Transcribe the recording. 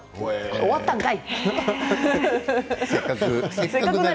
終わったんかい！